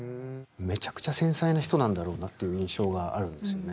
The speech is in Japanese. めちゃくちゃ繊細な人なんだろうなという印象があるんですよね。